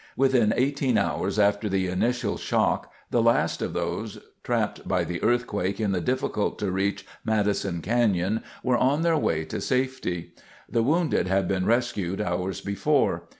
Within eighteen hours after the initial shock, the last of those trapped by the earthquake in the difficult to reach Madison Canyon were on their way to safety. The wounded had been rescued hours before.